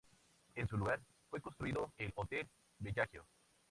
En su lugar fue construido el hotel Bellagio.